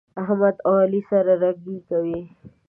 احمد او علي سره رګی کوي.